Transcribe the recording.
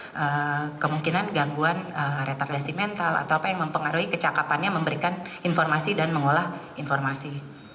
jadi tidak ada kemungkinan gangguan retardasi mental atau apa yang mempengaruhi kecakapannya memberikan informasi dan mengolah informasi